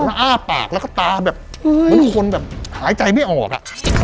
มันอ้าปากแล้วก็ตาแบบเหมือนคนแบบหายใจไม่ออกอ่ะ